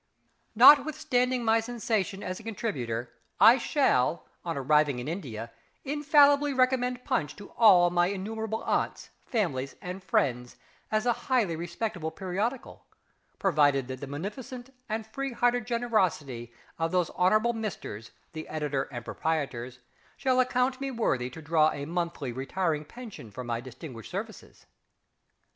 Notwithstanding my cessation as a contributor, I shall, on arriving in India, infallibly recommend Punch to all my innumerable aunts, families, and friends, as a highly respectable periodical provided that the munificent and free hearted generosity of those Hon'ble Misters, the Editor and Proprietors, shall account me worthy to draw a monthly retiring pension for my distinguished services.